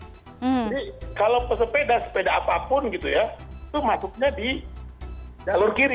jadi kalau pesepeda sepeda apapun gitu ya itu masuknya di jalur kiri